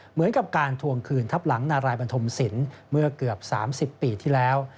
เหมือนกับการทวงคืนทับหลังนารายบันทมศิลป์เมื่อเกือบ๓๐ปีที่แล้ว